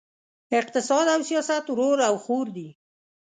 اقتصاد او سیاست ورور او خور دي!